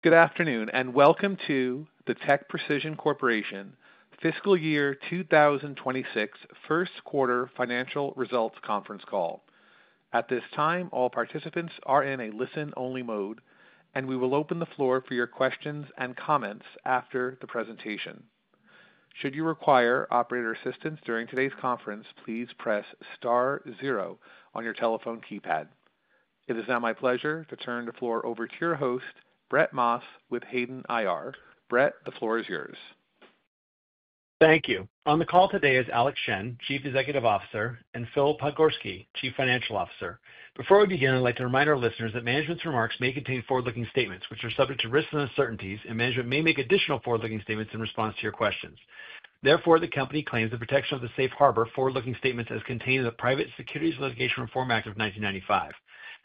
Good afternoon and welcome to the TechPrecision Corporation Fiscal Year 2026 First Quarter Financial Results Conference call. At this time, all participants are in a listen-only mode, and we will open the floor for your questions and comments after the presentation. Should you require operator assistance during today's conference, please press star zero on your telephone keypad. It is now my pleasure to turn the floor over to your host, Brett Maas, with Hayden IR. Brett, the floor is yours. Thank you. On the call today is Alex Shen, Chief Executive Officer, and Phillip Podgorski, Chief Financial Officer. Before we begin, I'd like to remind our listeners that management's remarks may contain forward-looking statements, which are subject to risks and uncertainties, and management may make additional forward-looking statements in response to your questions. Therefore, the company claims the protection of the safe harbor forward-looking statements as contained in the Private Securities Litigation Reform Act of 1995.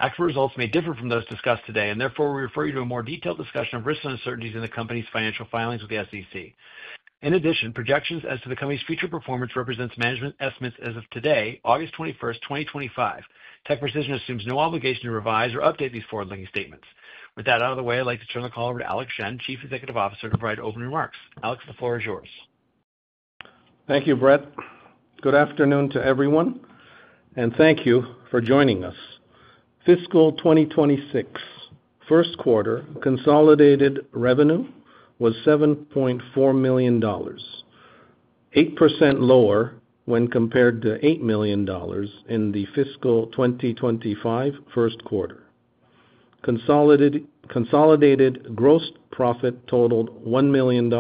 Actual results may differ from those discussed today, and therefore we refer you to a more detailed discussion of risks and uncertainties in the company's financial filings with the SEC. In addition, projections as to the company's future performance represent management's estimates as of today, August 21st, 2025. TechPrecision assumes no obligation to revise or update these forward-looking statements. With that out of the way, I'd like to turn the call over to Alex Shen, Chief Executive Officer, to provide opening remarks. Alex, the floor is yours. Thank you, Brett. Good afternoon to everyone, and thank you for joining us. Fiscal 2026 First Quarter consolidated revenue was $7.4 million, 8% lower when compared to $8 million in the fiscal 2025 first quarter. Consolidated gross profit totaled $1 million,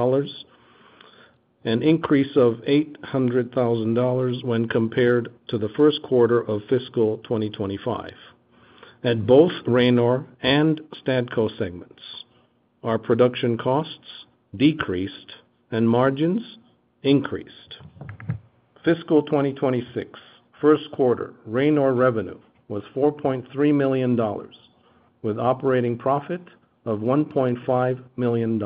an increase of $800,000 when compared to the first quarter of fiscal 2025. At both Ranor and STADCO segments, our production costs decreased and margins increased. Fiscal 2026 first quarter Ranor revenue was $4.3 million, with operating profit of $1.5 million.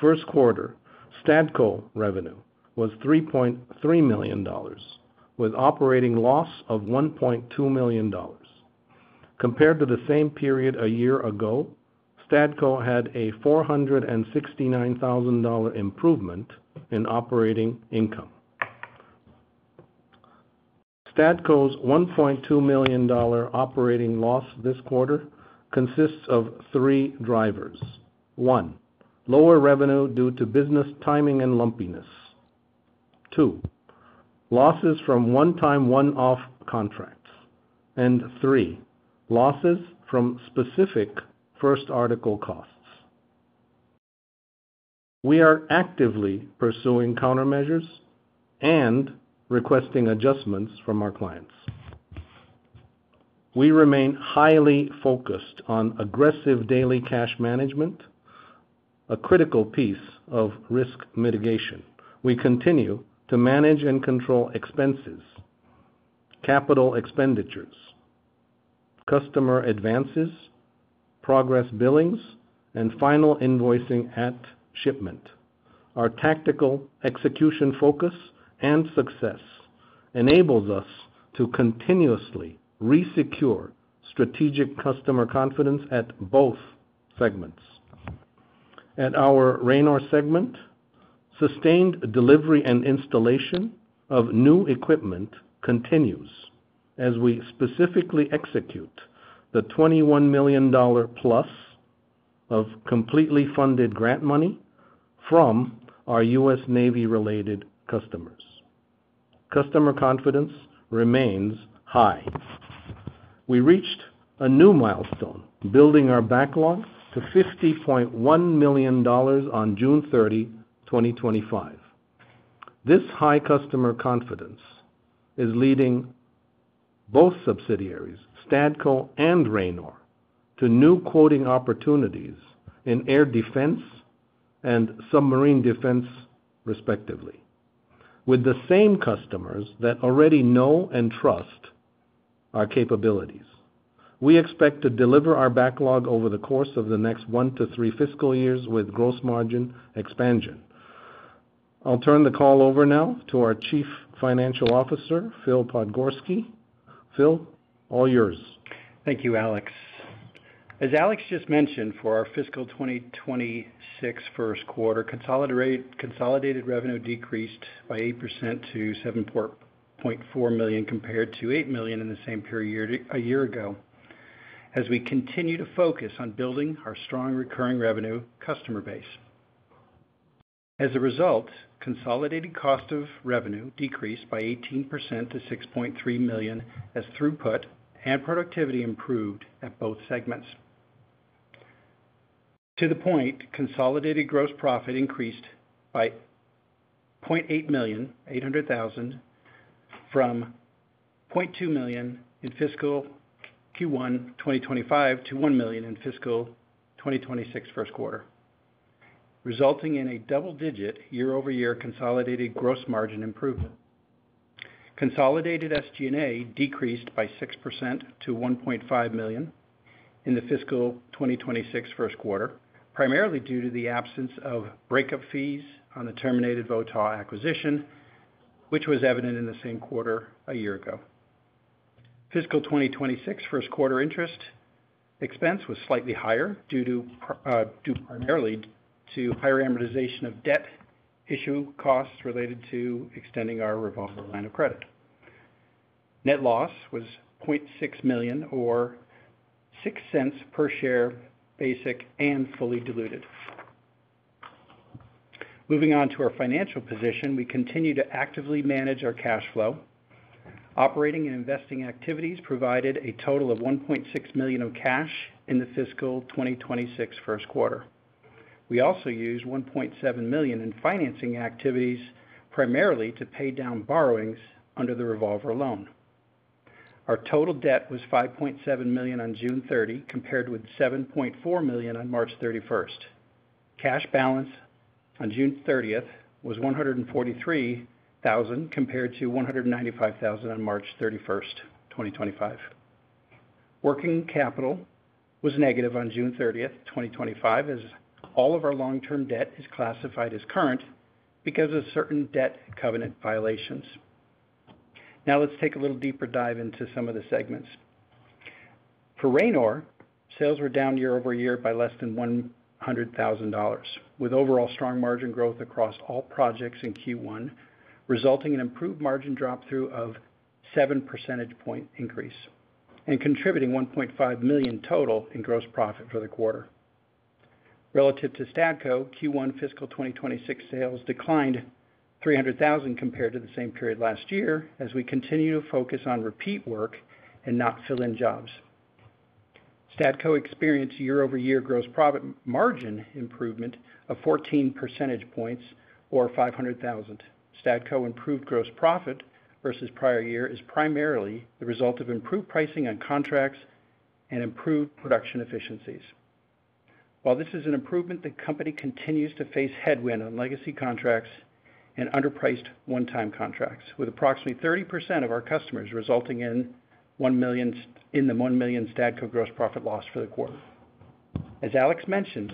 First quarter STADCO revenue was $3.3 million, with operating loss of $1.2 million. Compared to the same period a year ago, STADCO had a $469,000 improvement in operating income. STADCO's $1.2 million operating loss this quarter consists of three drivers: one, lower revenue due to business timing and lumpiness; two, losses from one-time one-off contracts; and three, losses from specific first article costs. We are actively pursuing countermeasures and requesting adjustments from our clients. We remain highly focused on aggressive daily cash management, a critical piece of risk mitigation. We continue to manage and control expenses, capital expenditures, customer advances, progress billings, and final invoicing at shipment. Our tactical execution focus and success enable us to continuously resecure strategic customer confidence at both segments. At our Ranor segment, sustained delivery and installation of new equipment continues as we specifically execute the $21 million+ of completely funded grant money from our U.S. Navy-related customers. Customer confidence remains high. We reached a new milestone, building our backlog to $50.1 million on June 30, 2025. This high customer confidence is leading both subsidiaries, STADCO and Ranor, to new quoting opportunities in air defense and submarine defense, respectively, with the same customers that already know and trust our capabilities. We expect to deliver our backlog over the course of the next one to three fiscal years with gross margin expansion. I'll turn the call over now to our Chief Financial Officer, Phillip Podgorski. Phil, all yours. Thank you, Alex. As Alex just mentioned, for our fiscal 2026 first quarter, consolidated revenue decreased by 8% to $7.4 million compared to $8 million in the same period a year ago, as we continue to focus on building our strong recurring revenue customer base. As a result, consolidated cost of revenue decreased by 18% to $6.3 million as throughput and productivity improved at both segments. To the point, consolidated gross profit increased by $0.8 million from $0.2 million in fiscal Q1 2025 to $1 million in fiscal 2026 first quarter, resulting in a double-digit year-over-year consolidated gross margin improvement. Consolidated SG&A decreased by 6% to $1.5 million in the fiscal 2026 first quarter, primarily due to the absence of breakup fees on the terminated Votaw acquisition, which was evident in the same quarter a year ago. Fiscal 2026 first quarter interest expense was slightly higher primarily due to higher amortization of debt issue costs related to extending our revolving line of credit. Net loss was $0.6 million or $0.06 per share basic and fully diluted. Moving on to our financial position, we continue to actively manage our cash flow. Operating and investing activities provided a total of $1.6 million of cash in the fiscal 2026 first quarter. We also used $1.7 million in financing activities, primarily to pay down borrowings under the revolver loan. Our total debt was $5.7 million on June 30, compared with $7.4 million on March 31st. Cash balance on June 30th was $143,000 compared to $195,000 on March 31st, 2025. Working capital was negative on June 30th, 2025, as all of our long-term debt is classified as current because of certain debt covenant violations. Now let's take a little deeper dive into some of the segments. For Ranor, sales were down year-over-year by less than $100,000, with overall strong margin growth across all projects in Q1, resulting in improved margin drop through of 7 percentage point increase and contributing $1.5 million total in gross profit for the quarter. Relative to STADCO, Q1 fiscal 2026 sales declined $300,000 compared to the same period last year, as we continue to focus on repeat work and not fill in jobs. STADCO experienced year-over-year gross profit margin improvement of 14 percentage points or $500,000. STADCO improved gross profit versus prior year is primarily the result of improved pricing on contracts and improved production efficiencies. While this is an improvement, the company continues to face headwind on legacy contracts and underpriced one-time contracts, with approximately 30% of our customers resulting in the $1 million STADCO gross profit loss for the quarter. As Alex mentioned,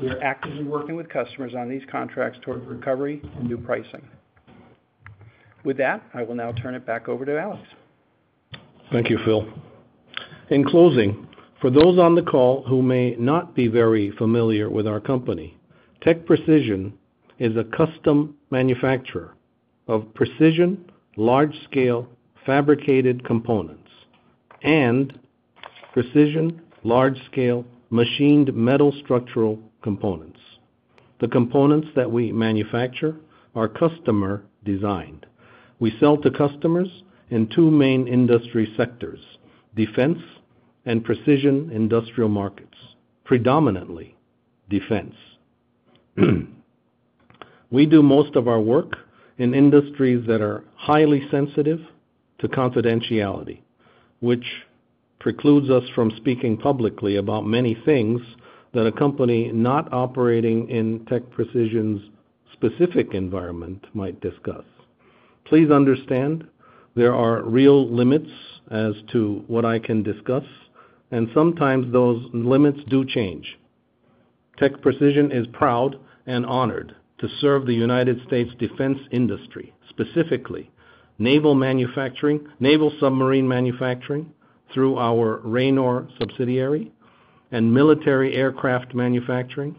we're actively working with customers on these contracts toward recovery and new pricing. With that, I will now turn it back over to Alex. Thank you, Phil. In closing, for those on the call who may not be very familiar with our company, TechPrecision is a custom manufacturer of precision large-scale fabricated components and precision large-scale machined metal structural components. The components that we manufacture are customer designed. We sell to customers in two main industry sectors: defense and precision industrial markets, predominantly defense. We do most of our work in industries that are highly sensitive to confidentiality, which precludes us from speaking publicly about many things that a company not operating in TechPrecision's specific environment might discuss. Please understand there are real limits as to what I can discuss, and sometimes those limits do change. TechPrecision is proud and honored to serve the United States defense industry, specifically naval submarine manufacturing through our Ranor subsidiary and military aircraft manufacturing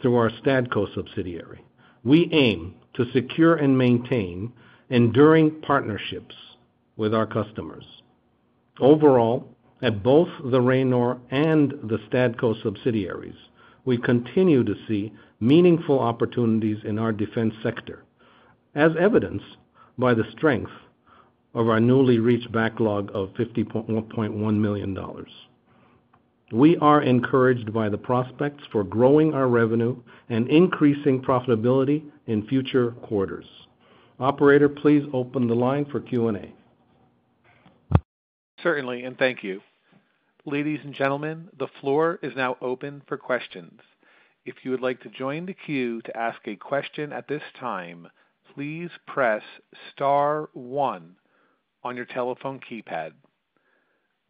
through our STADCO subsidiary. We aim to secure and maintain enduring partnerships with our customers. Overall, at both the Ranor and the STADCO subsidiaries, we continue to see meaningful opportunities in our defense sector, as evidenced by the strength of our newly reached backlog of $50.1 million. We are encouraged by the prospects for growing our revenue and increasing profitability in future quarters. Operator, please open the line for Q&A. Certainly, and thank you. Ladies and gentlemen, the floor is now open for questions. If you would like to join the queue to ask a question at this time, please press star one on your telephone keypad.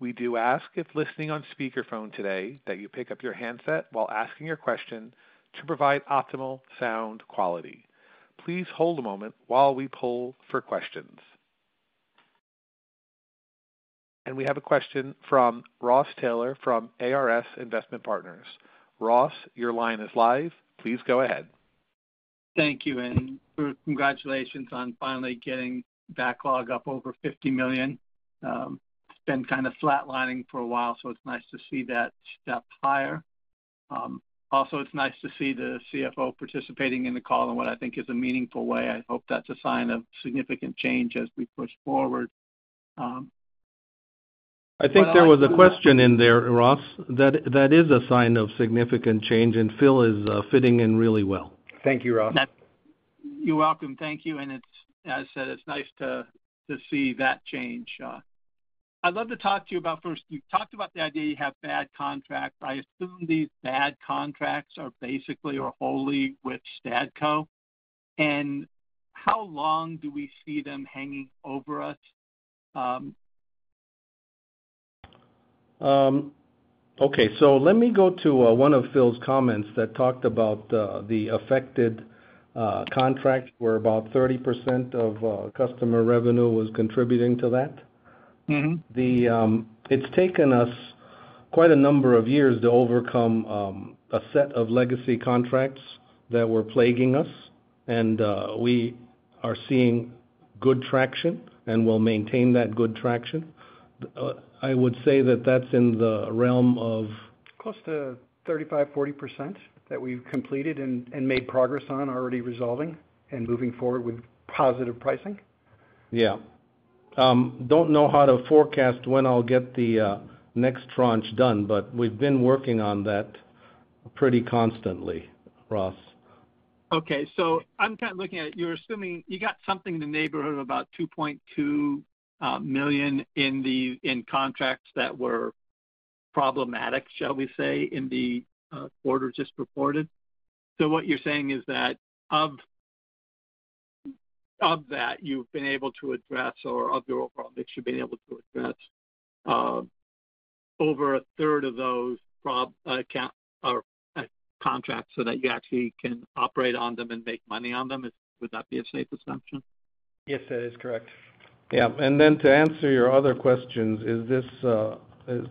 We do ask if listening on speakerphone today that you pick up your handset while asking your question to provide optimal sound quality. Please hold a moment while we pull for questions. We have a question from Ross Taylor from ARS Investment Partners. Ross, your line is live. Please go ahead. Thank you, Hayden. Congratulations on finally getting backlog up over $50 million. It's been kind of flatlining for a while, so it's nice to see that step higher. Also, it's nice to see the CFO participating in the call in what I think is a meaningful way. I hope that's a sign of significant change as we push forward. I think there was a question in there, Ross, that is a sign of significant change, and Phil is fitting in really well. Thank you, Ross. You're welcome. Thank you. It's, as I said, it's nice to see that change. I'd love to talk to you about, first, you talked about the idea you have bad contracts. I assume these bad contracts are basically or wholly with STADCO, and how long do we see them hanging over us? Okay, let me go to one of Phil's comments that talked about the affected contract where about 30% of customer revenue was contributing to that. It's taken us quite a number of years to overcome a set of legacy contracts that were plaguing us, and we are seeing good traction and will maintain that good traction. I would say that that's in the realm of. Close to 35%-40% that we've completed and made progress on already resolving and moving forward with positive pricing. Yeah, don't know how to forecast when I'll get the next tranche done, but we've been working on that pretty constantly, Ross. Okay, I'm kind of looking at it. You're assuming you got something in the neighborhood of about $2.2 million in the contracts that were problematic, shall we say, in the quarter just reported. What you're saying is that of that, you've been able to address, or of your overall mix, you've been able to address over 1/3 of those contracts so that you actually can operate on them and make money on them. Would that be a safe assumption? Yes, that is correct. Yeah, to answer your other questions,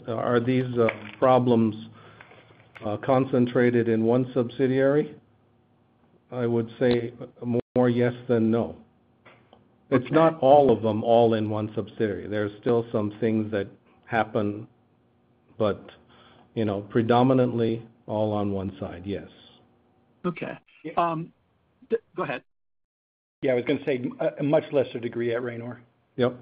are these problems concentrated in one subsidiary? I would say more yes than no. It's not all of them all in one subsidiary. There's still some things that happen, but predominantly all on one side, yes. Okay, go ahead. Yeah, I was going to say a much lesser degree at Ranor. Yep. Without a doubt. Okay.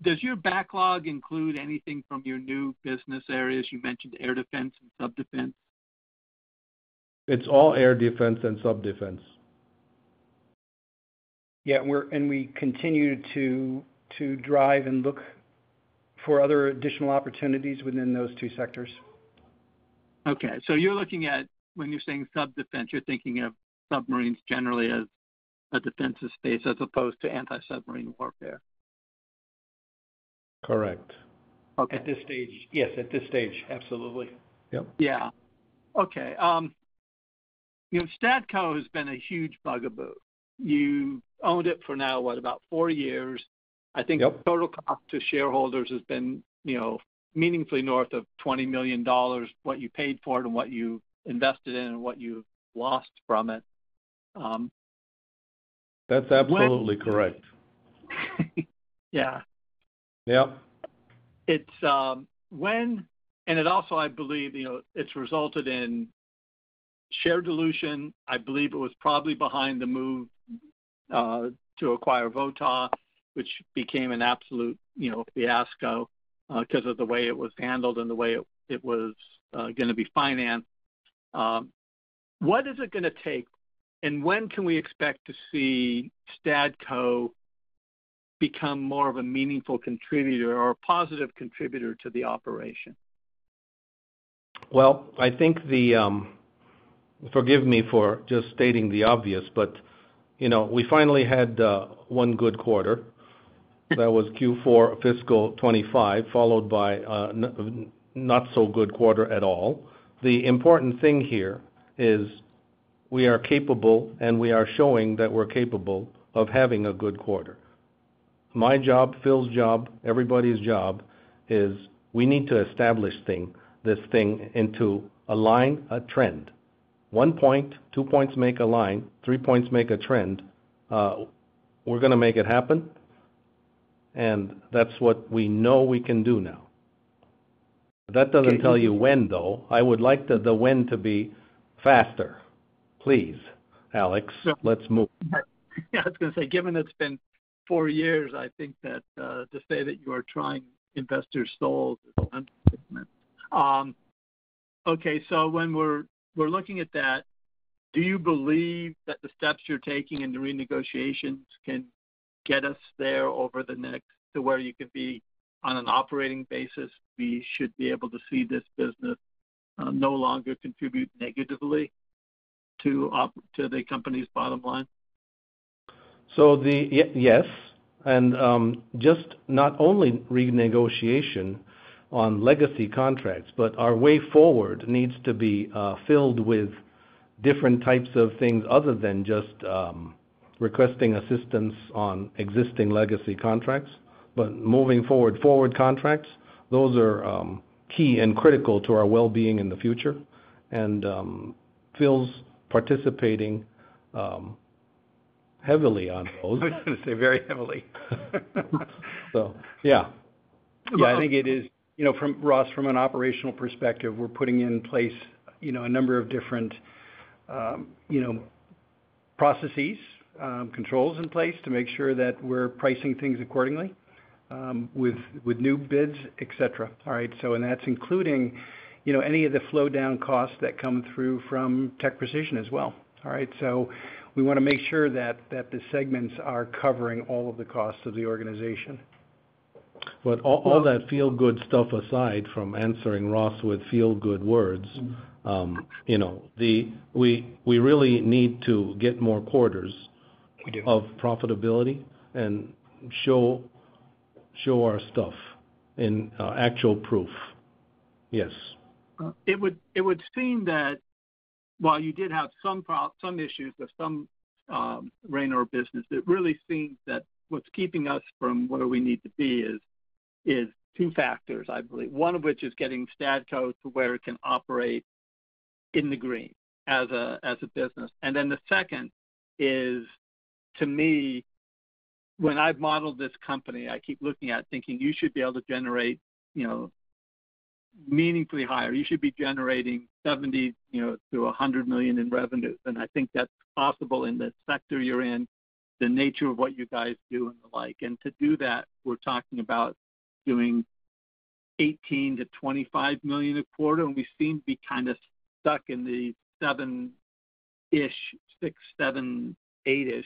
Does your backlog include anything from your new business areas? You mentioned air defense and sub defense. It's all air defense and sub defense. Yeah, we continue to drive and look for other additional opportunities within those two sectors. Okay, so you're looking at, when you're saying sub defense, you're thinking of submarines generally as a defensive space as opposed to anti-submarine warfare? Correct. Okay. Yes, at this stage, absolutely. Yep. Yeah. Okay. You know, STADCO has been a huge bugaboo. You owned it for now, what, about four years. I think the total cost to shareholders has been, you know, meaningfully north of $20 million, what you paid for it and what you invested in and what you lost from it. That's absolutely correct. Yeah. Yep. It also, I believe, you know, it's resulted in share dilution. I believe it was probably behind the move to acquire Votaw, which became an absolute fiasco because of the way it was handled and the way it was going to be financed. What is it going to take, and when can we expect to see STADCO become more of a meaningful contributor or a positive contributor to the operation? I think, forgive me for just stating the obvious, but you know, we finally had one good quarter. That was Q4, fiscal 2025, followed by a not-so-good quarter at all. The important thing here is we are capable, and we are showing that we're capable of having a good quarter. My job, Phil's job, everybody's job is we need to establish this thing into a line, a trend. One point, two points make a line, three points make a trend. We're going to make it happen, and that's what we know we can do now. That doesn't tell you when, though. I would like the when to be faster. Please, Alex, let's move. I was going to say, given it's been four years, I think that to say that you are trying to invest your soul, I'm okay. When we're looking at that, do you believe that the steps you're taking in the renegotiations can get us there over the next to where you could be on an operating basis? We should be able to see this business no longer contribute negatively to the company's bottom line. Yes, and not only renegotiation on legacy contracts, but our way forward needs to be filled with different types of things other than just requesting assistance on existing legacy contracts. Moving forward, forward contracts are key and critical to our well-being in the future, and Phil's participating heavily on those. I was going to say very heavily. So yeah. I think it is, you know, from Ross, from an operational perspective, we're putting in place a number of different processes, controls in place to make sure that we're pricing things accordingly with new bids, etc. That's including any of the flow-down costs that come through from TechPrecision as well. We want to make sure that the segments are covering all of the costs of the organization. All that feel-good stuff aside from answering Ross with feel-good words, we really need to get more quarters of profitability and show our stuff in actual proof. Yes. It would seem that while you did have some issues with some Ranor business, it really seems that what's keeping us from where we need to be is two factors, I believe. One of which is getting STADCO to where it can operate in the green as a business. The second is, to me, when I've modeled this company, I keep looking at it thinking you should be able to generate, you know, meaningfully higher. You should be generating $70 million, you know, to $100 million in revenue. I think that's possible in the sector you're in, the nature of what you guys do and the like. To do that, we're talking about doing $18 million-$25 million a quarter. We seem to be kind of stuck in the $7-ish million, $6 million, $7 million, $8-ish million.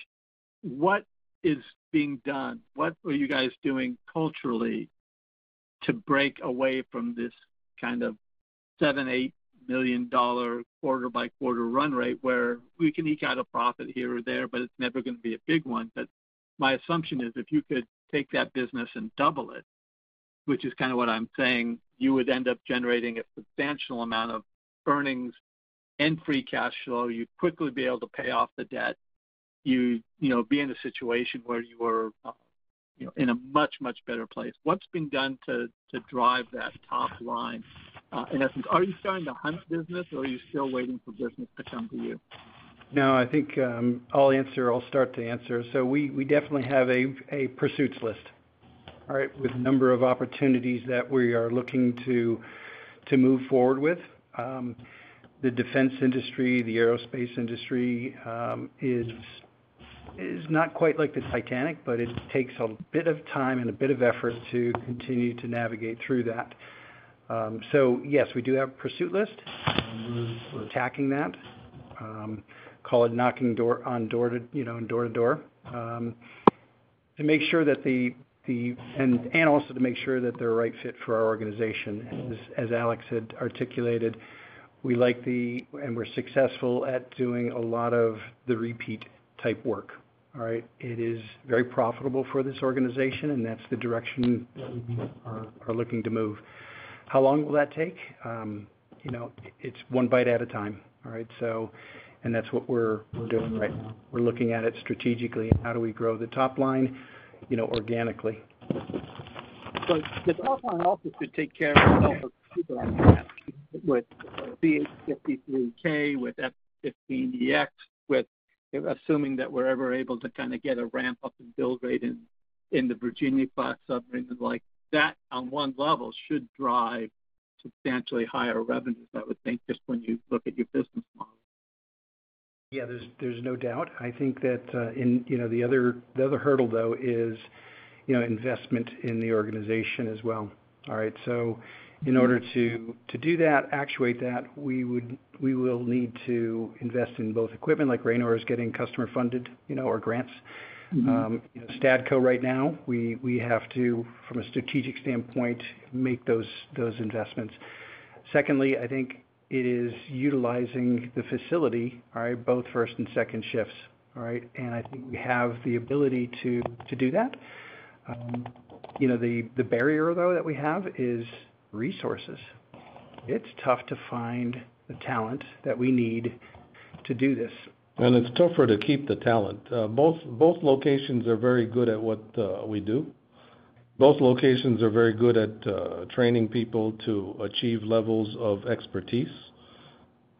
What is being done? What are you guys doing culturally to break away from this kind of $7 million, $8 million quarter-by-quarter run rate where we can eke out a profit here or there, but it's never going to be a big one? My assumption is if you could take that business and double it, which is kind of what I'm saying, you would end up generating a substantial amount of earnings and free cash flow. You'd quickly be able to pay off the debt. You'd be in a situation where you were, you know, in a much, much better place. What's been done to drive that top line? In essence, are you starting to hunt business or are you still waiting for business to come to you? I think I'll start to answer. We definitely have a pursuits list with a number of opportunities that we are looking to move forward with. The defense industry, the aerospace industry, is not quite like the Titanic, but it takes a bit of time and a bit of effort to continue to navigate through that. Yes, we do have a pursuit list. We're tacking that, call it knocking on door to door, and also to make sure that they're a right fit for our organization. As Alex had articulated, we like the, and we're successful at doing a lot of the repeat type work. It is very profitable for this organization, and that's the direction we are looking to move. How long will that take? It's one bite at a time. That's what we're doing right now. We're looking at it strategically, how do we grow the top line organically. The top line also could take care of the development of the supermarkets with CH-53K, with F-15EX, with assuming that we're ever able to kind of get a ramp up and build rate in the Virginia class submarine and the like. That on one level should drive substantially higher revenues, I would think, just when you look at your business model. Yeah, there's no doubt. I think that in the other hurdle though is investment in the organization as well. All right. In order to do that, actuate that, we will need to invest in both equipment, like Ranor is getting customer funded, you know, or grants. STADCO right now, we have to, from a strategic standpoint, make those investments. Secondly, I think it is utilizing the facility, all right, both first and second shifts. I think we have the ability to do that. The barrier though that we have is resources. It's tough to find the talent that we need to do this. It's tougher to keep the talent. Both locations are very good at what we do. Both locations are very good at training people to achieve levels of expertise.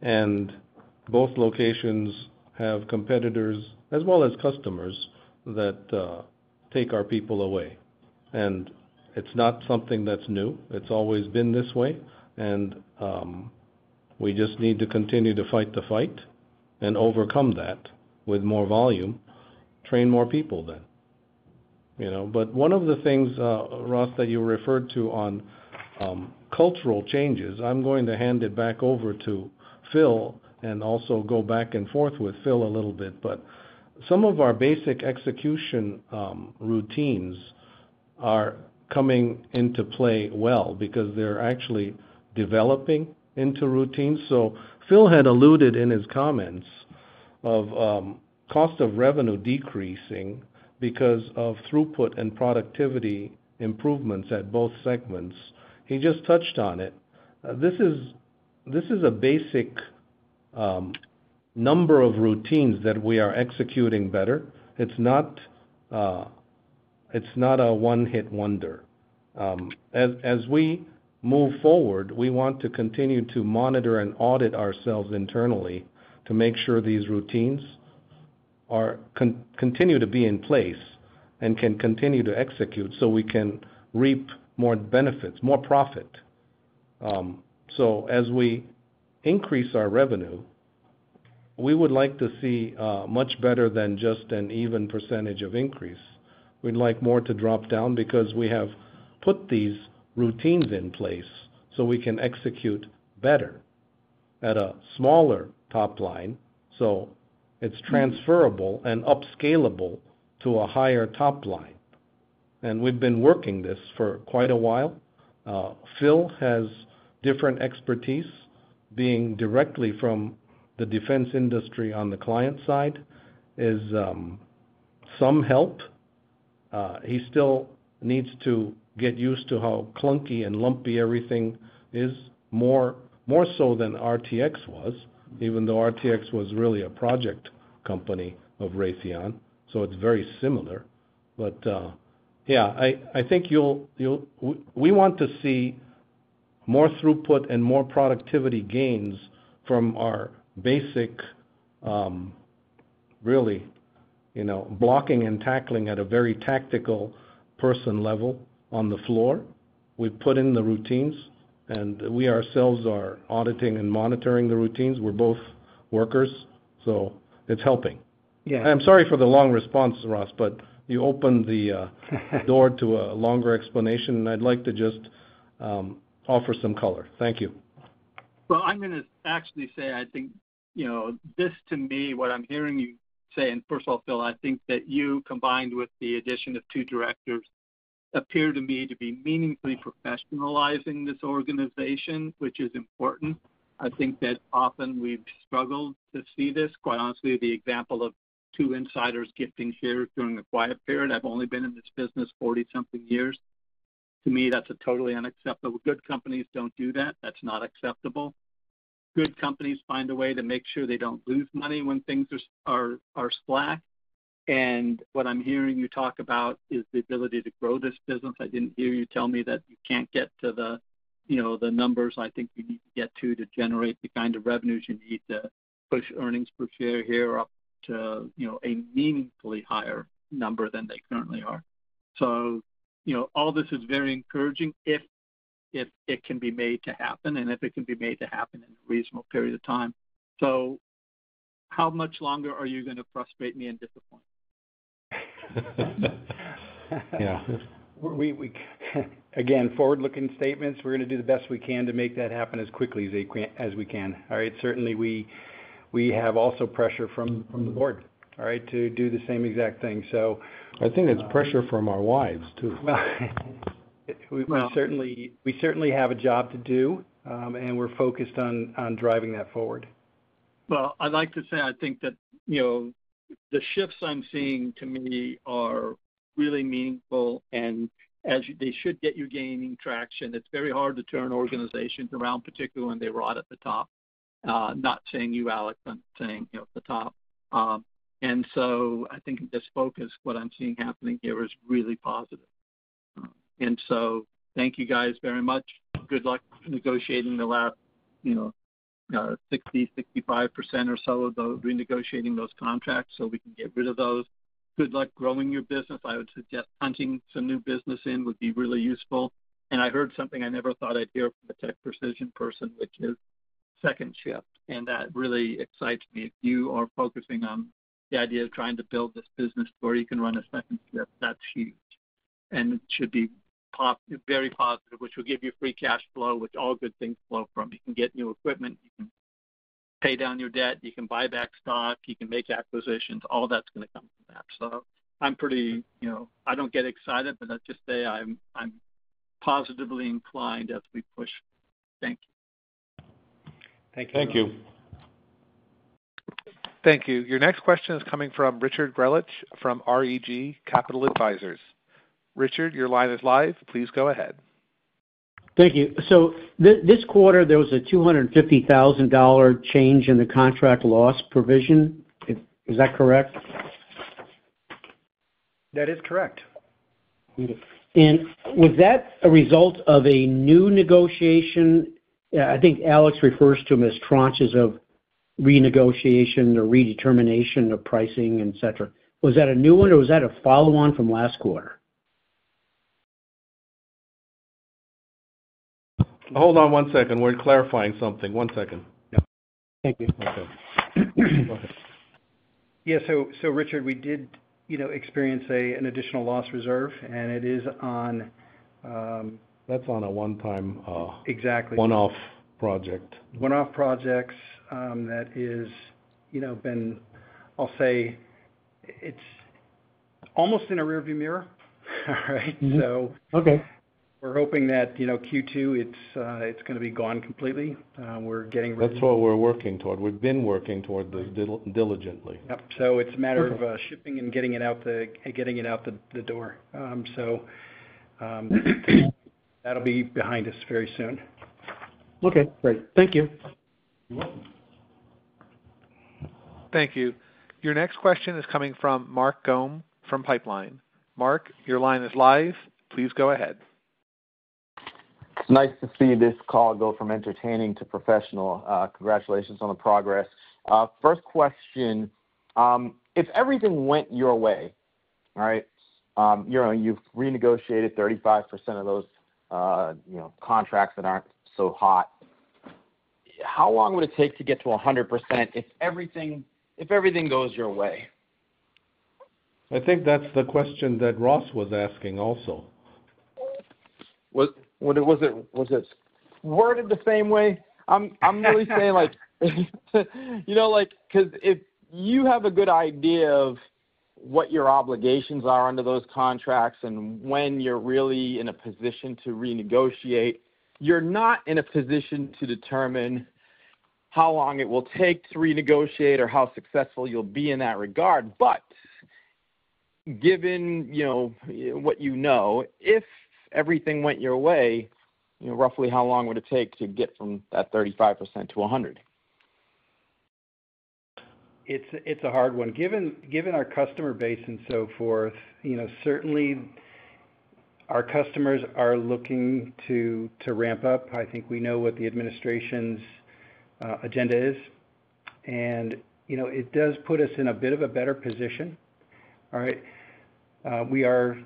Both locations have competitors as well as customers that take our people away. It's not something that's new. It's always been this way. We just need to continue to fight the fight and overcome that with more volume, train more people then. One of the things, Ross, that you referred to on cultural changes, I'm going to hand it back over to Phil and also go back and forth with Phil a little bit. Some of our basic execution routines are coming into play well because they're actually developing into routines. Phil had alluded in his comments of cost of revenue decreasing because of throughput and productivity improvements at both segments. He just touched on it. This is a basic number of routines that we are executing better. It's not a one-hit wonder. As we move forward, we want to continue to monitor and audit ourselves internally to make sure these routines continue to be in place and can continue to execute so we can reap more benefits, more profit. As we increase our revenue, we would like to see much better than just an even percentage of increase. We'd like more to drop down because we have put these routines in place so we can execute better at a smaller top line so it's transferable and upscalable to a higher top line. We've been working this for quite a while. Phil has different expertise, being directly from the defense industry on the client side, is some help. He still needs to get used to how clunky and lumpy everything is, more so than RTX was, even though RTX was really a project company of Raytheon. It's very similar. We want to see more throughput and more productivity gains from our basic, really, you know, blocking and tackling at a very tactical person level on the floor. We put in the routines, and we ourselves are auditing and monitoring the routines. We're both workers, so it's helping. Yeah. I'm sorry for the long response, Ross, but you opened the door to a longer explanation, and I'd like to just offer some color. Thank you. I think, you know, this to me, what I'm hearing you say, and first of all, Phil, I think that you, combined with the addition of two directors, appear to me to be meaningfully professionalizing this organization, which is important. I think that often we've struggled to see this. Quite honestly, the example of two insiders gifting shares during a quiet period. I've only been in this business 40-something years. To me, that's totally unacceptable. Good companies don't do that. That's not acceptable. Good companies find a way to make sure they don't lose money when things are slack. What I'm hearing you talk about is the ability to grow this business. I didn't hear you tell me that you can't get to the, you know, the numbers I think you need to get to to generate the kind of revenues you need to push earnings per share here up to, you know, a meaningfully higher number than they currently are. All this is very encouraging if it can be made to happen and if it can be made to happen in a reasonable period of time. How much longer are you going to frustrate me and disappoint? Yeah. Again, forward-looking statements, we're going to do the best we can to make that happen as quickly as we can. Certainly, we have also pressure from the board to do the same exact thing. I think it's pressure from our wives, too. We certainly have a job to do, and we're focused on driving that forward. I think that, you know, the shifts I'm seeing to me are really meaningful, and they should get you gaining traction. It's very hard to turn organizations around, particularly when they rot at the top. Not saying you, Alex, I'm saying, you know, at the top. I think this focus, what I'm seeing happening here is really positive. Thank you guys very much. Good luck negotiating the last, you know, 60%, 65% or so of the renegotiating those contracts so we can get rid of those. Good luck growing your business. I would suggest hunting some new business in would be really useful. I heard something I never thought I'd hear from a TechPrecision person, which is second shift. That really excites me. If you are focusing on the idea of trying to build this business to where you can run a second shift, that's huge. It should be very positive, which will give you free cash flow, which all good things flow from. You can get new equipment, you can pay down your debt, you can buy back stock, you can make acquisitions. All that's going to come from that. I'm pretty, you know, I don't get excited, but I'd just say I'm positively inclined as we push. Thank you. Thank you. Your next question is coming from Richard Greulich from REG Capital Advisors. Richard, your line is live. Please go ahead. Thank you. This quarter, there was a $250,000 change in the contract loss provision. Is that correct? That is correct. Was that a result of a new negotiation? I think Alex refers to them as tranches of renegotiation or redetermination of pricing, etc. Was that a new one, or was that a follow-on from last quarter? Hold on one second. We're clarifying something. One second. Yeah. Thank you. Okay, go ahead. Yeah, Richard, we did experience an additional loss reserve, and it is on. That's on a one-time. Exactly. One-off project. One-off projects that is, you know, been, I'll say, it's almost in a rearview mirror. All right. Okay. We're hoping that, you know, Q2, it's going to be gone completely. We're getting rid of it. That's what we're working toward. We've been working toward this diligently. Yep, it's a matter of shipping and getting it out the door. That'll be behind us very soon. Okay, great. Thank you. Thank you. Your next question is coming from Mark Gomes from Pipeline. Mark, your line is live. Please go ahead. Nice to see this call go from entertaining to professional. Congratulations on the progress. First question, if everything went your way, all right, you've renegotiated 35% of those contracts that aren't so hot. How long would it take to get to 100% if everything goes your way? I think that's the question that Ross Taylor was asking also. Was it worded the same way? I'm really saying, because if you have a good idea of what your obligations are under those contracts and when you're really in a position to renegotiate, you're not in a position to determine how long it will take to renegotiate or how successful you'll be in that regard. Given what you know, if everything went your way, roughly how long would it take to get from that 35% to 100%? It's a hard one. Given our customer base and so forth, certainly our customers are looking to ramp up. I think we know what the administration's agenda is. It does put us in a bit of a better position. We are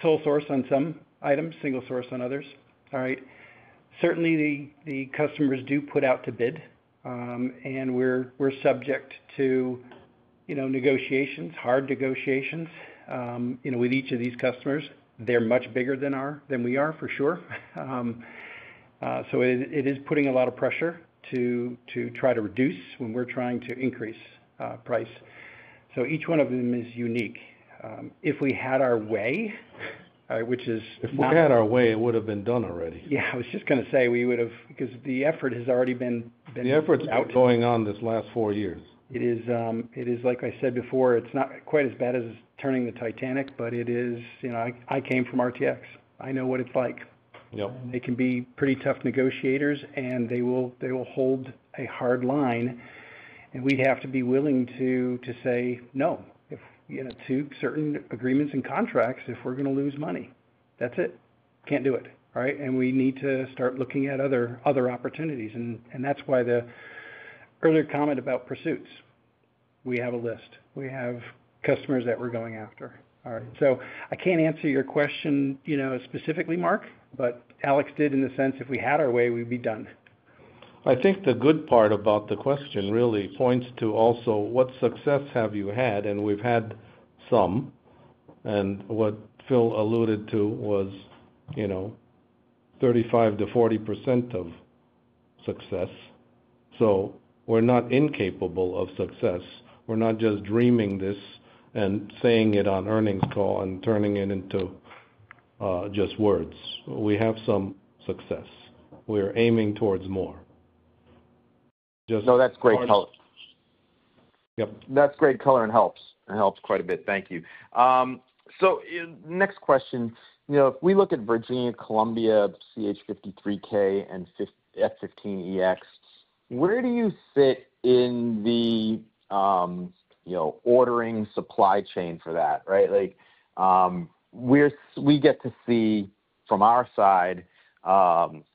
sole source on some items, single source on others. Certainly, the customers do put out to bid, and we're subject to negotiations, hard negotiations with each of these customers. They're much bigger than we are, for sure. It is putting a lot of pressure to try to reduce when we're trying to increase price. Each one of them is unique. If we had our way, which is. If we had our way, it would have been done already. Yeah, I was just going to say we would have, because the effort has already been. The effort's ongoing on this last four years. It is, like I said before, it's not quite as bad as turning the Titanic, but it is, you know, I came from RTX. I know what it's like. Yep. They can be pretty tough negotiators, and they will hold a hard line. We'd have to be willing to say no to certain agreements and contracts if we're going to lose money. That's it. Can't do it. We need to start looking at other opportunities. That's why the earlier comment about pursuits, we have a list. We have customers that we're going after. I can't answer your question specifically, Mark, but Alex did in the sense, if we had our way, we'd be done. I think the good part about the question really points to also what success have you had, and we've had some. What Phil alluded to was, you know, 35%-40% of success. We're not incapable of success. We're not just dreaming this and saying it on earnings call and turning it into just words. We have some success. We're aiming towards more. No, that's great color. Yep. That's great color and helps. It helps quite a bit. Thank you. In the next question, if we look at Virginia, Columbia, CH-53K, and F-15EX, where do you sit in the ordering supply chain for that, right? We get to see from our side,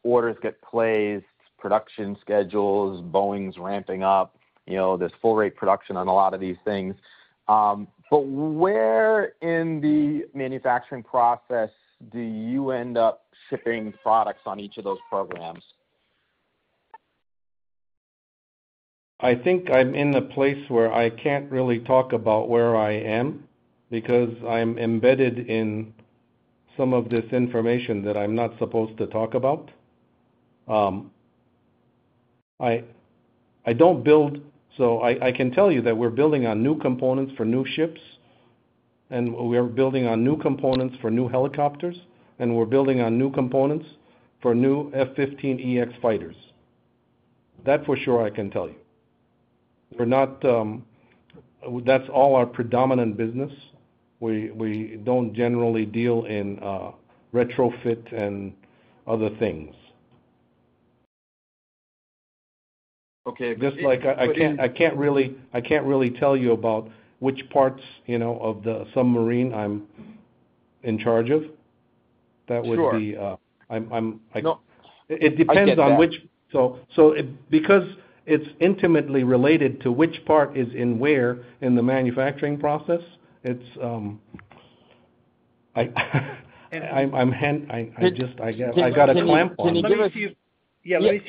orders get placed, production schedules, Boeing's ramping up, there's full-rate production on a lot of these things. Where in the manufacturing process do you end up shipping products on each of those programs? I think I'm in the place where I can't really talk about where I am because I'm embedded in some of this information that I'm not supposed to talk about. I don't build, so I can tell you that we're building on new components for new ships, and we're building on new components for new helicopters, and we're building on new components for new F-15EX fighters. That for sure I can tell you. That's all our predominant business. We don't generally deal in retrofit and other things. Okay. I can't really tell you about which parts of the submarine I'm in charge of. That would be, it depends on which, because it's intimately related to which part is where in the manufacturing process. I just, I got a clamp on it. Let me see if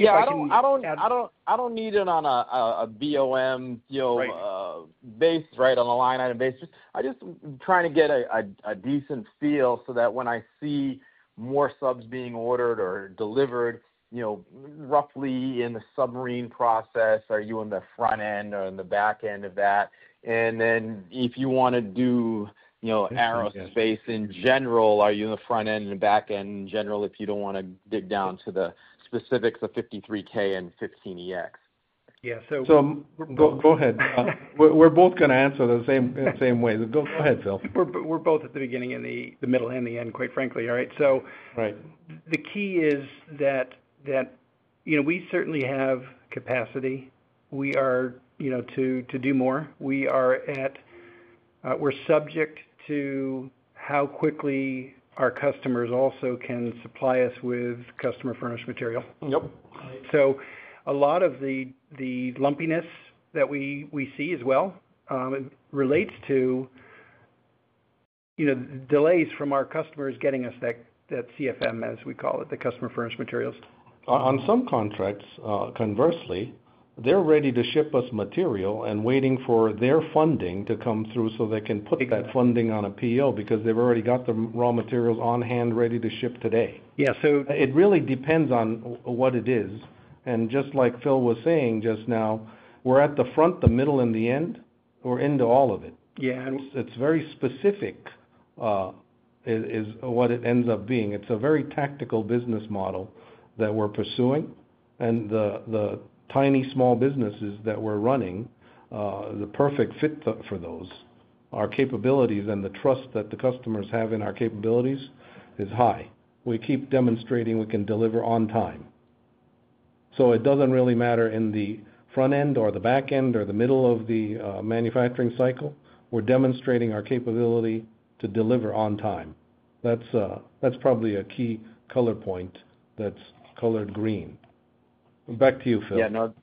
I don't need it on a BOM, you know, based on a line item basis. I'm just trying to get a decent feel so that when I see more subs being ordered or delivered, roughly in the submarine process, are you in the front end or in the back end of that? If you want to do aerospace in general, are you in the front end and the back end in general if you don't want to dig down to the specifics of CH-53K and F-15EX? Yeah, so. Go ahead. We're both going to answer the same way. Go ahead, Phil. We're both at the beginning, the middle, and the end, quite frankly. All right. Right. The key is that we certainly have capacity. We are, you know, to do more. We are subject to how quickly our customers also can supply us with customer furnished material. Yep. A lot of the lumpiness that we see as well relates to, you know, delays from our customers getting us that CFM, as we call it, the customer furnished materials. On some contracts, conversely, they're ready to ship us material and waiting for their funding to come through, so they can put that funding on a PO because they've already got the raw materials on hand ready to ship today. Yeah, so. It really depends on what it is. Just like Phil was saying just now, we're at the front, the middle, and the end. We're into all of it. Yeah. It's very specific is what it ends up being. It's a very tactical business model that we're pursuing. The tiny small businesses that we're running, the perfect fit for those, our capabilities and the trust that the customers have in our capabilities is high. We keep demonstrating we can deliver on time. It doesn't really matter in the front end or the back end or the middle of the manufacturing cycle. We're demonstrating our capability to deliver on time. That's probably a key color point that's colored green. Back to you, Phil. Yeah, no,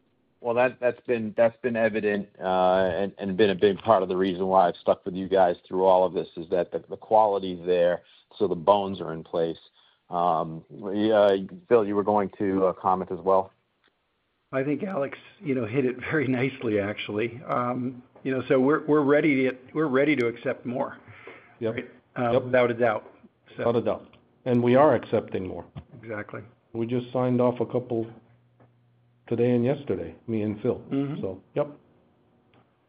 that's been evident and been a big part of the reason why I've stuck with you guys through all of this is that the quality is there. The bones are in place. [Bill], you were going to comment as well. I think Alex, you know, hit it very nicely, actually. We're ready to accept more. Yep. Without a doubt. Without a doubt, we are accepting more. Exactly. We just signed off a couple today and yesterday, me and Phillip. Yep.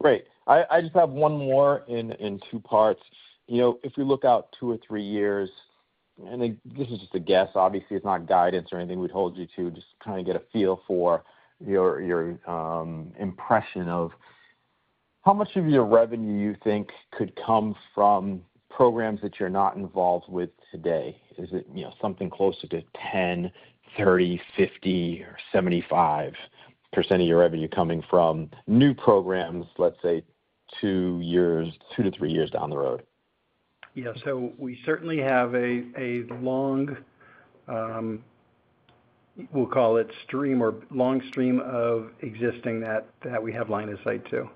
Great. I just have one more in two parts. If we look out two or three years, and this is just a guess, obviously, it's not guidance or anything we'd hold you to, just kind of get a feel for your impression of how much of your revenue you think could come from programs that you're not involved with today. Is it something closer to 10%, 30%, 50%, or 75% of your revenue coming from new programs, let's say two years, two to three years down the road? Yeah, we certainly have a long stream of existing that we have line of sight to.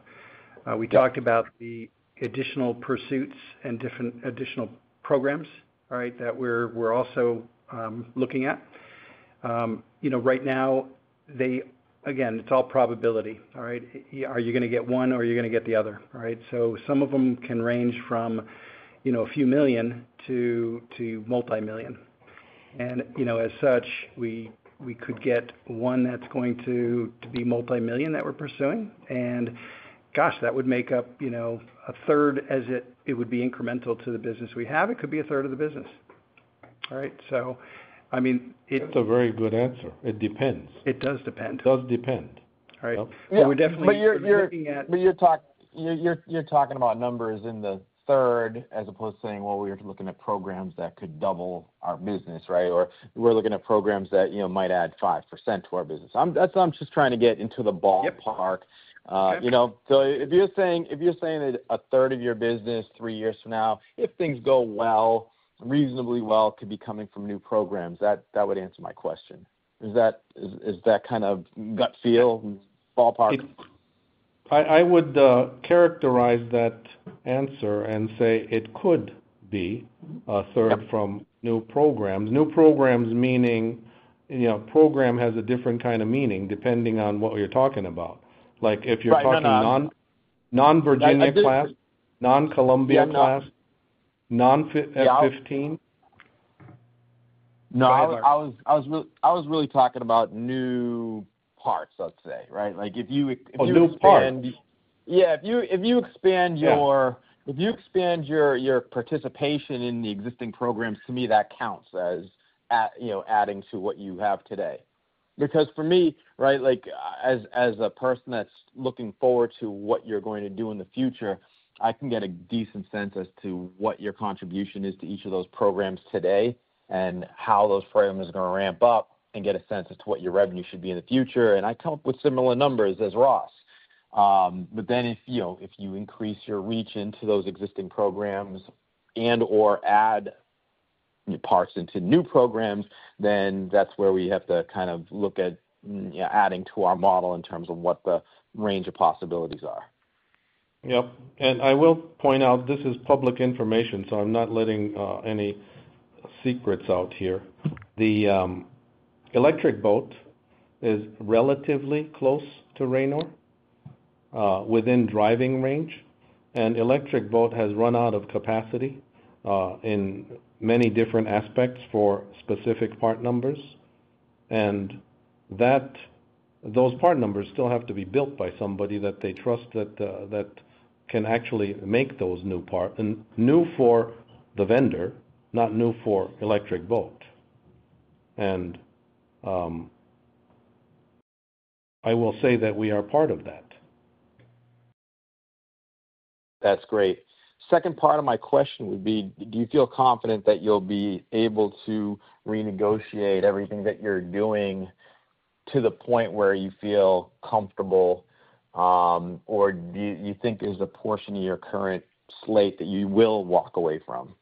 We talked about the additional pursuits and different additional programs that we're also looking at. Right now, it's all probability. Are you going to get one or are you going to get the other? Some of them can range from a few million to multi-million. As such, we could get one that's going to be multi-million that we're pursuing. Gosh, that would make up a third as it would be incremental to the business we have. It could be a third of the business. That's a very good answer. It depends. It does depend. It does depend. All right, we're definitely. You're talking about numbers in the third as opposed to saying we're looking at programs that could double our business, right? Or we're looking at programs that might add 5% to our business. That's what I'm just trying to get into the ballpark. If you're saying that a third of your business three years from now, if things go reasonably well, could be coming from new programs, that would answer my question. Is that kind of gut feel, ballpark? I would characterize that answer and say it could be a third from new programs. New programs meaning, you know, program has a different kind of meaning depending on what we're talking about. Like if you're talking non-Virginia class, non-Columbia class, non-F-15EX. I was really talking about new parts, right? Like if you. Oh, new parts. Yeah, if you expand your participation in the existing programs, to me, that counts as, you know, adding to what you have today. For me, right, like as a person that's looking forward to what you're going to do in the future, I can get a decent sense as to what your contribution is to each of those programs today and how those programs are going to ramp up and get a sense as to what your revenue should be in the future. I come up with similar numbers as Ross. If you increase your reach into those existing programs and/or add parts into new programs, that's where we have to kind of look at adding to our model in terms of what the range of possibilities are. Yep. I will point out this is public information, so I'm not letting any secrets out here. Electric Boat is relatively close to Ranor within driving range, and Electric Boat has run out of capacity in many different aspects for specific part numbers. Those part numbers still have to be built by somebody that they trust that can actually make those new parts new for the vendor, not new for Electric Boat. I will say that we are part of that. That's great. Second part of my question would be, do you feel confident that you'll be able to renegotiate everything that you're doing to the point where you feel comfortable, or do you think there's a portion of your current slate that you will walk away from?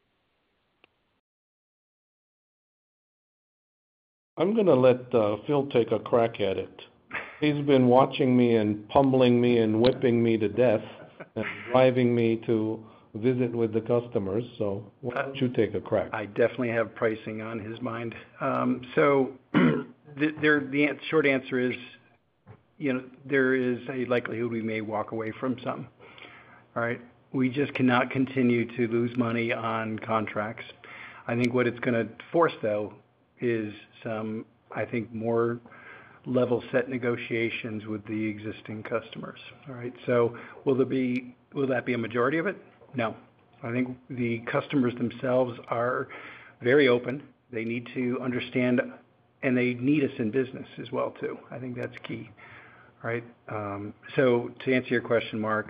I'm going to let Phil take a crack at it. He's been watching me, pummeling me, whipping me to death, and driving me to visit with the customers. Why don't you take a crack? I definitely have pricing on his mind. The short answer is, you know, there is a likelihood we may walk away from some. We just cannot continue to lose money on contracts. I think what it's going to force is some more level-set negotiations with the existing customers. Will that be a majority of it? No. I think the customers themselves are very open. They need to understand, and they need us in business as well, too. I think that's key. To answer your question, Mark,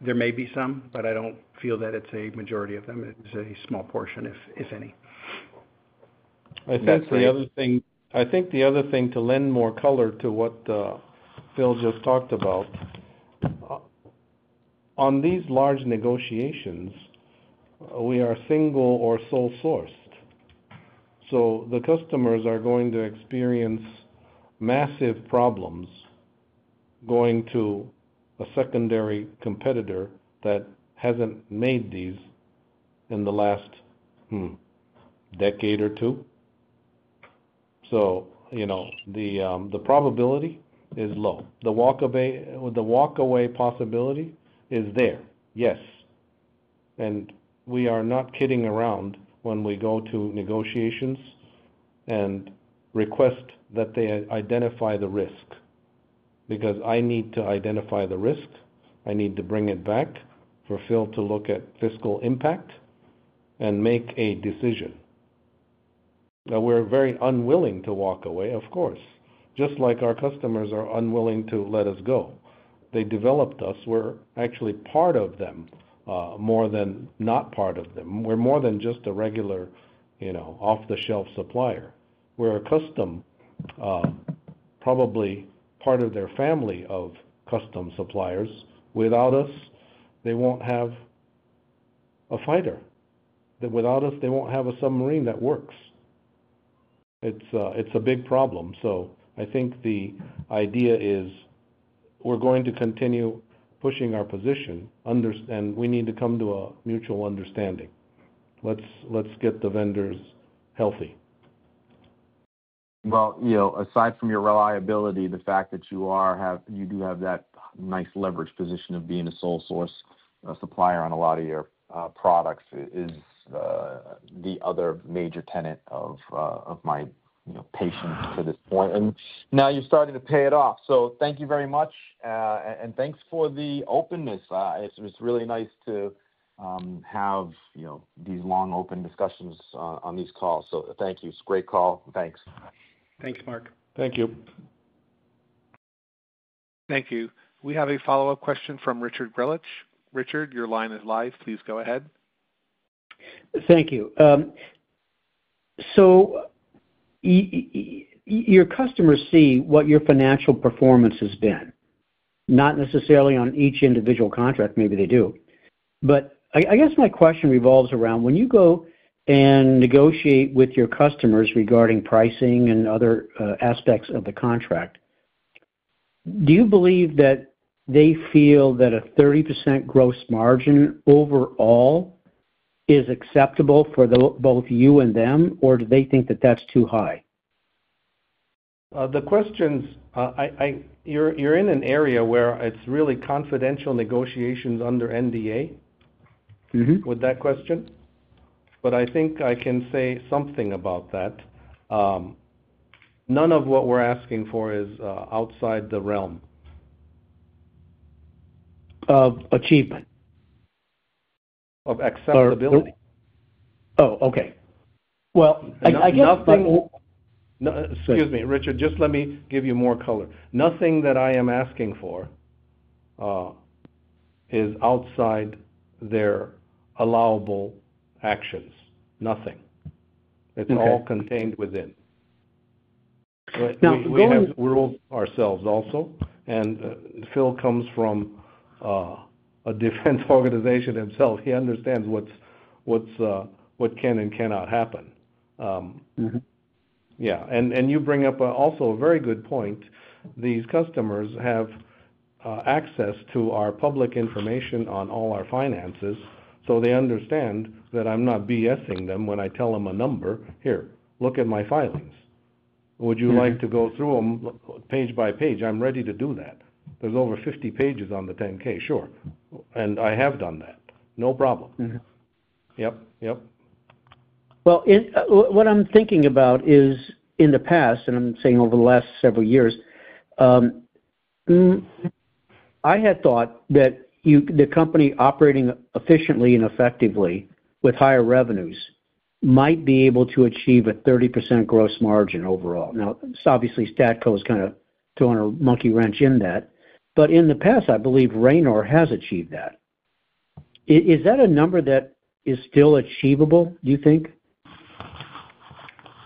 there may be some, but I don't feel that it's a majority of them. It's a small portion, if any. I think the other thing to lend more color to what Phil just talked about, on these large negotiations, we are single or sole sourced. The customers are going to experience massive problems going to a secondary competitor that hasn't made these in the last decade or two. The probability is low. The walk-away possibility is there. Yes. We are not kidding around when we go to negotiations and request that they identify the risk because I need to identify the risk. I need to bring it back for Phil to look at fiscal impact and make a decision. Now, we're very unwilling to walk away, of course, just like our customers are unwilling to let us go. They developed us. We're actually part of them, more than not part of them. We're more than just a regular, you know, off-the-shelf supplier. We're a custom, probably part of their family of custom suppliers. Without us, they won't have a fighter. Without us, they won't have a submarine that works. It's a big problem. I think the idea is we're going to continue pushing our position, and we need to come to a mutual understanding. Let's get the vendors healthy. Aside from your reliability, the fact that you do have that nice leverage position of being a sole-source supplier on a lot of your products is the other major tenet of my patience to this point. Now you're starting to pay it off. Thank you very much, and thanks for the openness. It's really nice to have these long open discussions on these calls. Thank you. It's a great call. Thanks. Thanks, Mark. Thank you. Thank you. We have a follow-up question from Richard Brelich. Richard, your line is live. Please go ahead. Thank you. Your customers see what your financial performance has been, not necessarily on each individual contract. Maybe they do. I guess my question revolves around when you go and negotiate with your customers regarding pricing and other aspects of the contract, do you believe that they feel that a 30% gross margin overall is acceptable for both you and them, or do they think that that's too high? The questions, you're in an area where it's really confidential negotiations under NDA with that question. I think I can say something about that. None of what we're asking for is outside the realm. Of achievement? Of acceptability. Oh, okay. I guess. Nothing. Excuse me, Richard, just let me give you more color. Nothing that I am asking for is outside their allowable actions. Nothing. It's all contained within. We rule ourselves also. Phil comes from a defense organization himself. He understands what can and cannot happen. You bring up also a very good point. These customers have access to our public information on all our finances. They understand that I'm not BSing them when I tell them a number. Here, look at my filings. Would you like to go through them page by page? I'm ready to do that. There's over 50 pages on the 10-K. Sure. I have done that. No problem. Yep. Yep. In the past, and I'm saying over the last several years, I had thought that the company operating efficiently and effectively with higher revenues might be able to achieve a 30% gross margin overall. Obviously, STADCO is kind of throwing a monkey wrench in that. In the past, I believe Ranor has achieved that. Is that a number that is still achievable, do you think?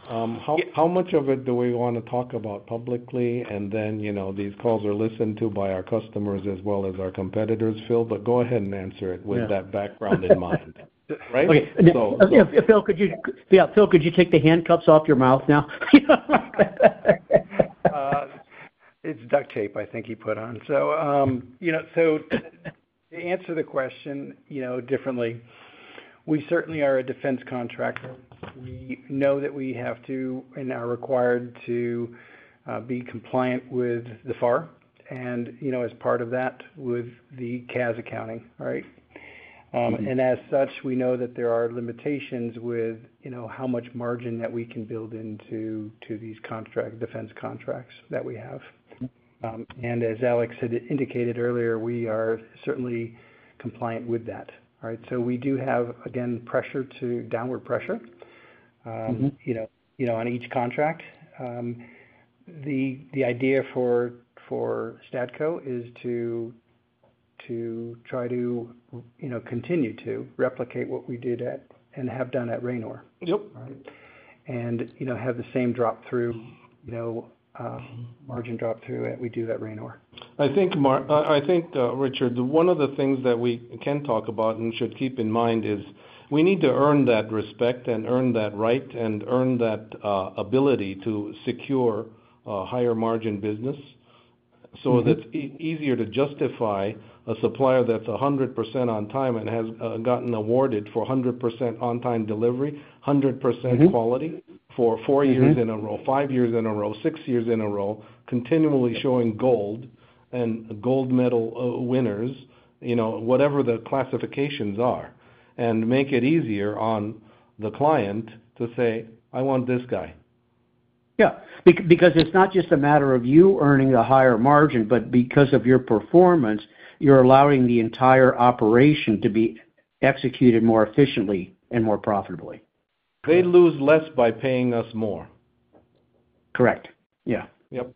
How much of it do we want to talk about publicly? You know, these calls are listened to by our customers as well as our competitors, Phil. Go ahead and answer it with that background in mind. Right. Phil, could you take the handcuffs off your mouth now? It's duct tape I think he put on. To answer the question differently, we certainly are a defense contract. We know that we have to and are required to be compliant with the FAR, and as part of that, with the CAS accounting. As such, we know that there are limitations with how much margin that we can build into these defense contracts that we have. As Alex had indicated earlier, we are certainly compliant with that. We do have, again, pressure, downward pressure, on each contract. The idea for STADCO is to try to continue to replicate what we did at and have done at Ranor. Yep. You know, have the same drop-through, you know, margin drop-through that we do at Ranor. I think, Richard, one of the things that we can talk about and should keep in mind is we need to earn that respect and earn that right and earn that ability to secure a higher margin business so that it's easier to justify a supplier that's 100% on time and has gotten awarded for 100% on-time delivery, 100% quality for four years in a row, five years in a row, six years in a row, continually showing gold and gold medal winners, you know, whatever the classifications are, and make it easier on the client to say, "I want this guy. Yeah, because it's not just a matter of you earning a higher margin, but because of your performance, you're allowing the entire operation to be executed more efficiently and more profitably. They lose less by paying us more. Correct. Yeah. Yep.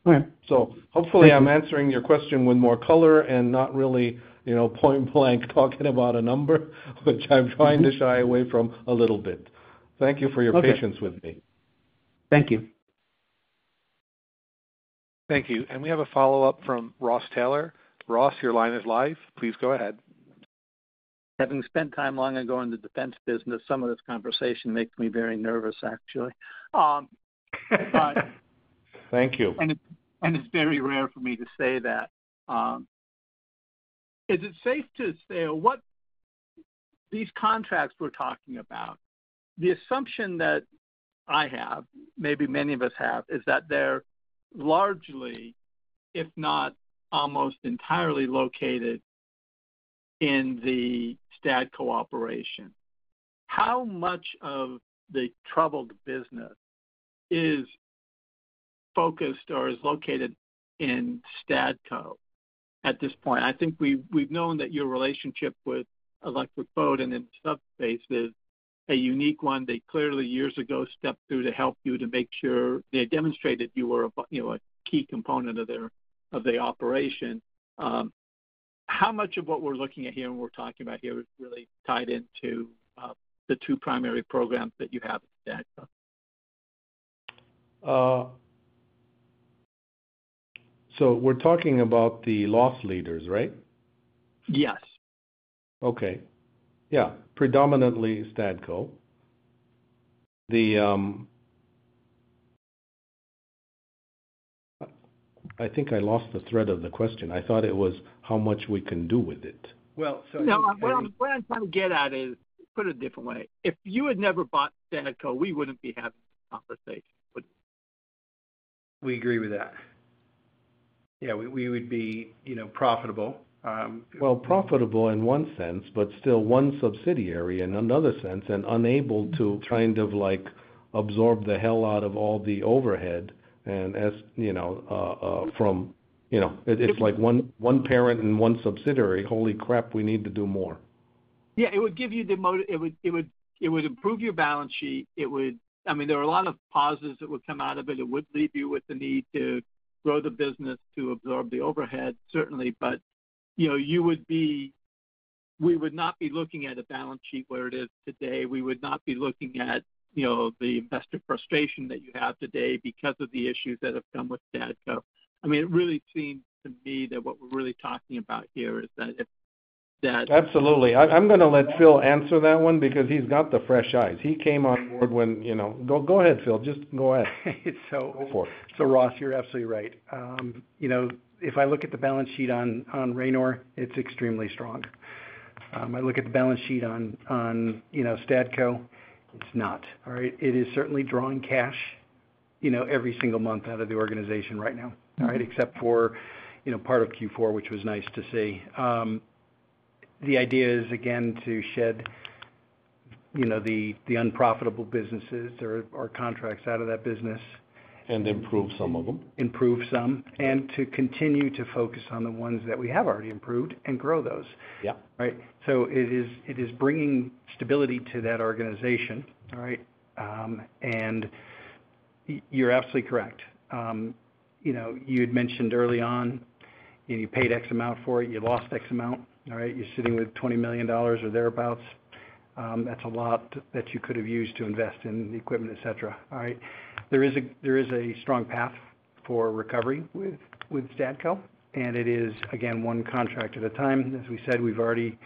Hopefully I'm answering your question with more color and not really, you know, point-blank talking about a number, which I'm trying to shy away from a little bit. Thank you for your patience with me. Thank you. Thank you. We have a follow-up from Ross Taylor. Ross, your line is live. Please go ahead. Having spent time long ago in the defense business, some of this conversation makes me very nervous, actually. Thank you. It is very rare for me to say that. Is it safe to say with these contracts we're talking about, the assumption that I have, maybe many of us have, is that they're largely, if not almost entirely, located in the STADCO operation? How much of the troubled business is focused or is located in STADCO at this point? I think we've known that your relationship with Electric Boat and Subspace is a unique one. They clearly, years ago, stepped through to help you to make sure they demonstrated you were a key component of their operation. How much of what we're looking at here and we're talking about here is really tied into the two primary programs that you have at STADCO? We're talking about the loss leaders, right? Yes. Okay. Yeah. Predominantly STADCO. I think I lost the thread of the question. I thought it was how much we can do with it. Well, so. No, what I'm trying to get at is, put it a different way. If you had never bought STADCO, we wouldn't be having this conversation. We agree with that. Yeah, we would be, you know, profitable. Profitable in one sense, but still one subsidiary in another sense and unable to kind of absorb the hell out of all the overhead. As you know, from, you know, it's like one parent and one subsidiary. Holy crap, we need to do more. Yeah, it would give you the, it would improve your balance sheet. I mean, there are a lot of positives that would come out of it. It would leave you with the need to grow the business to absorb the overhead, certainly. You would not be looking at a balance sheet where it is today. You would not be looking at the investor frustration that you have today because of the issues that have come with STADCO. It really seems to me that what we're really talking about here is that if that. Absolutely. I'm going to let Phil answer that one because he's got the fresh eyes. He came on board when, you know, go ahead, Phil. Just go ahead. Ross, you're absolutely right. If I look at the balance sheet on Ranor, it's extremely strong. I look at the balance sheet on, you know, STADCO, it's not. It is certainly drawing cash every single month out of the organization right now, except for part of Q4, which was nice to see. The idea is, again, to shed the unprofitable businesses or contracts out of that business. We improve some of them. Improve some, and to continue to focus on the ones that we have already improved and grow those. Yeah, right. It is bringing stability to that organization. All right. You're absolutely correct. You had mentioned early on, you paid X amount for it, you lost X amount. You're sitting with $20 million or thereabouts. That's a lot that you could have used to invest in the equipment, etc. There is a strong path for recovery with STADCO. It is, again, one contract at a time. As we said, we've already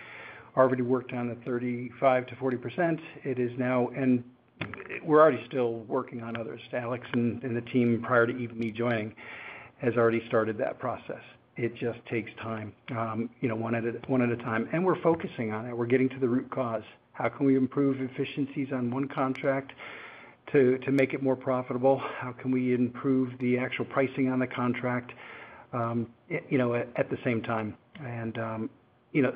worked on the 35%-40%. It is now, and we're still working on others. Alex and the team prior to even me joining have already started that process. It just takes time, one at a time. We're focusing on it. We're getting to the root cause. How can we improve efficiencies on one contract to make it more profitable? How can we improve the actual pricing on the contract at the same time? I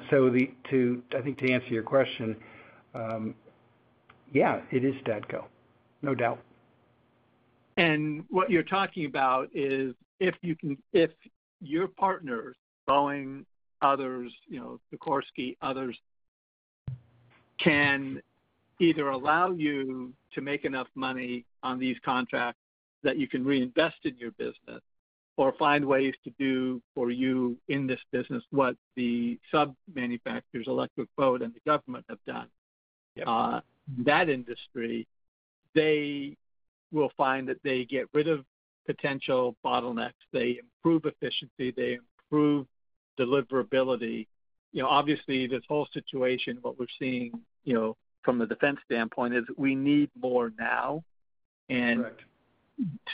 think to answer your question, yeah, it is STADCO. No doubt. What you're talking about is if your partner, Boeing, Sikorsky, others, can either allow you to make enough money on these contracts that you can reinvest in your business or find ways to do for you in this business what the sub-manufacturers, Electric Boat, and the government have done. That industry will find that they get rid of potential bottlenecks. They improve efficiency. They improve deliverability. Obviously, this whole situation, what we're seeing from a defense standpoint is that we need more now.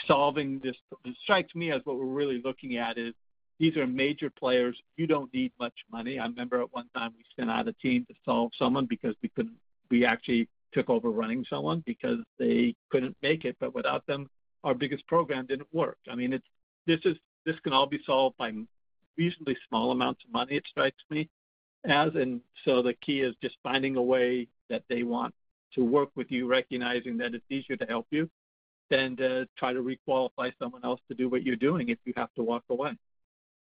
Solving this, it strikes me as what we're really looking at is these are major players. You don't need much money. I remember at one time we sent out a team to solve someone because we couldn't, we actually took over running someone because they couldn't make it. Without them, our biggest program didn't work. This can all be solved by reasonably small amounts of money, it strikes me as. The key is just finding a way that they want to work with you, recognizing that it's easier to help you than to try to requalify someone else to do what you're doing if you have to walk away.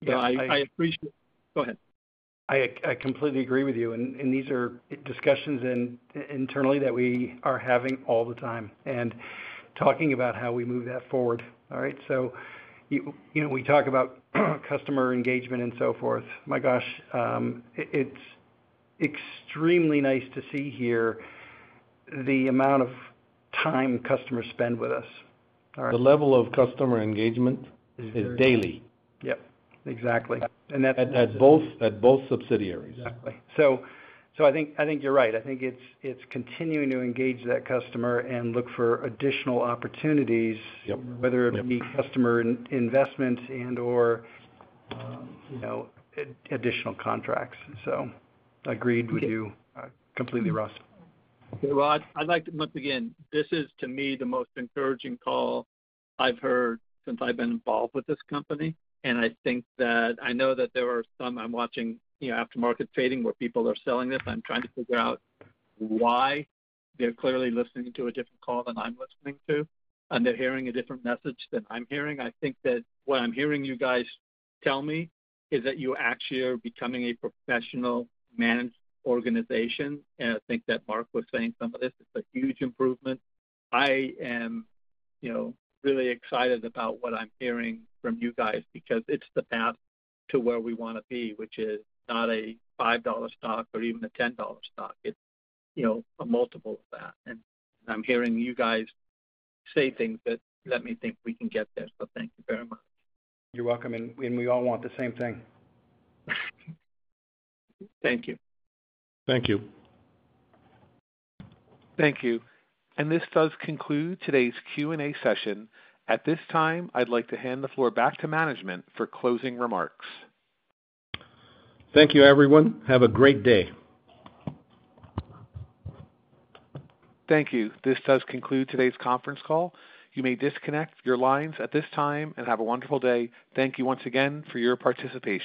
Yeah, I appreciate it. Go ahead. I completely agree with you. These are discussions internally that we are having all the time and talking about how we move that forward. You know, we talk about customer engagement and so forth. My gosh, it's extremely nice to see here the amount of time customers spend with us. The level of customer engagement is daily. Yep. Exactly. That's both subsidiaries. Exactly. I think you're right. I think it's continuing to engage that customer and look for additional opportunities, whether it be customer investments and/or, you know, additional contracts. I agreed with you completely, Ross. Okay, Ross, I'd like to, once again, this is to me the most encouraging call I've heard since I've been involved with this company. I think that I know that there are some, I'm watching, you know, aftermarket fading where people are selling this. I'm trying to figure out why they're clearly listening to a different call than I'm listening to, and they're hearing a different message than I'm hearing. I think that what I'm hearing you guys tell me is that you actually are becoming a professionally managed organization. I think that Mark was saying some of this. It's a huge improvement. I am, you know, really excited about what I'm hearing from you guys because it's the path to where we want to be, which is not a $5 stock or even a $10 stock. It's, you know, a multiple of that. I'm hearing you guys say things that let me think we can get there. Thank you very much. You're welcome. We all want the same thing. Thank you. Thank you. Thank you. This does conclude today's Q&A session. At this time, I'd like to hand the floor back to management for closing remarks. Thank you, everyone. Have a great day. Thank you. This does conclude today's conference call. You may disconnect your lines at this time and have a wonderful day. Thank you once again for your participation.